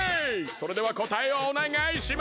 それではこたえをおねがいします！